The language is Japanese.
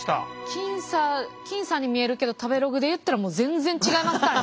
僅差僅差に見えるけど食べログでいったらもう全然違いますからね。